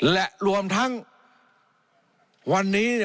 และรวมทั้งวันนี้เนี่ย